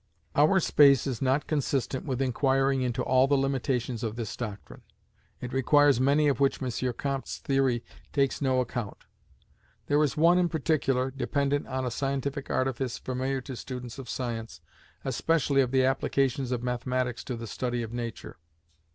Our space is not consistent with inquiring into all the limitations of this doctrine. It requires many of which M. Comte's theory takes no account. There is one, in particular, dependent on a scientific artifice familiar to students of science, especially of the applications of mathematics to the study of nature.